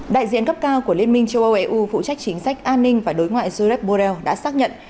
đại diện cấp cao của liên minh châu âu eu phụ trách chính sách an ninh và đối ngoại zerbore đã xác nhận